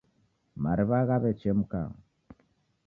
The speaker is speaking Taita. mariw'a ghaw'echemka.